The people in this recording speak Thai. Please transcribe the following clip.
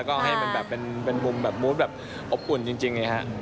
ก็ให้มันแบบเป็นมุมแบบมูธแบบอบอุ่นจริงไงฮะ